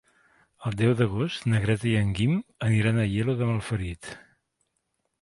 El deu d'agost na Greta i en Guim aniran a Aielo de Malferit.